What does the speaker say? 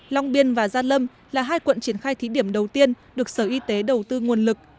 long biên và gia lâm là hai quận triển khai thí điểm đầu tiên được sở y tế đầu tư nguồn lực